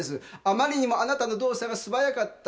あまりにもあなたの動作が素早かった。